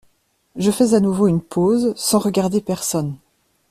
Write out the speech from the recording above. Je fais à nouveau une pause sans regarder personne.